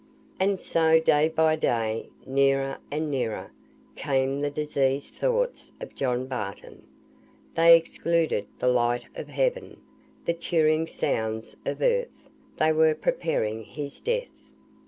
And so day by day, nearer and nearer, came the diseased thoughts of John Barton. They excluded the light of heaven, the cheering sounds of earth. They were preparing his death.